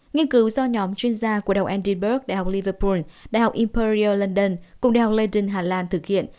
nghiên cứu do nhóm chuyên gia của đại học edinburgh đại học liverpool đại học imperial london cùng đại học london hà lan thực hiện